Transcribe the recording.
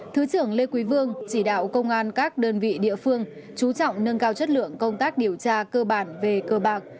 thứ trưởng lê quý vương chỉ đạo công an các đơn vị địa phương chú trọng nâng cao chất lượng công tác điều tra cơ bản về cơ bạc